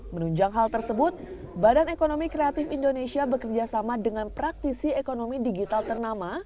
menunjang hal tersebut badan ekonomi kreatif indonesia bekerjasama dengan praktisi ekonomi digital ternama